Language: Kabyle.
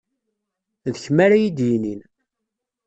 D kemm ara iyi-d-yinin.